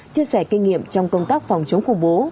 chia sẻ kinh nghiệm trong công tác phòng chống khủng bố